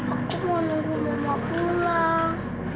aku mau nunggu mama pulang